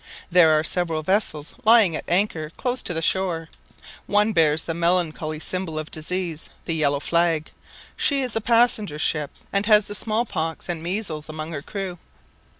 There are several vessels lying at anchor close to the shore; one bears the melancholy symbol of disease, the yellow flag; she is a passenger ship, and has the smallpox and measles among her crew.